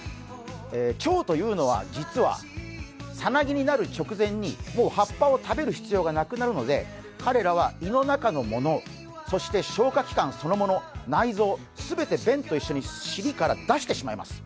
チョウというのは実はサナギになる直前にもう葉っぱを食べる必要がなくなるので、彼らは胃の中のもの、消化器官そのもの内臓すべて便と一緒に尻から出してしまいます。